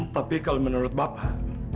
tapi kalau menurut bapak